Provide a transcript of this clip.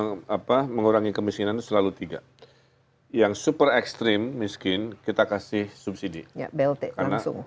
nah sambil tahap dua yaitu mengurangi kemiskinan itu selalu tiga yang super ekstrim miskin kita kasih subsidi blt langsung